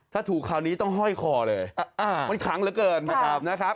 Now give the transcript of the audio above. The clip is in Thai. ถ้าถูกคราวนี้ต้องห้อยคอเลยมันขังเหลือเกินนะครับ